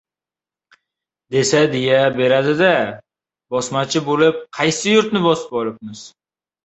— Desa deya beradi-da. Bosmachi bo‘lib, qaysi yurtni bosib olibmiz?